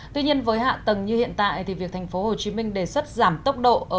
tuy nhiên với hạ tầng như hiện tại việc tp hcm đề xuất giảm tốc độ